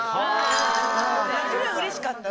それはうれしかった。